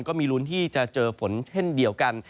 ก็มีลุ้นที่จะเจอฝนเช่นเดียวกัน